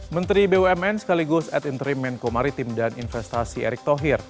menteri bumn sekaligus ad interim menko maritim dan investasi erick thohir